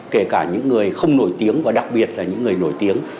kể cả những người không nổi tiếng và đặc biệt là những người nổi tiếng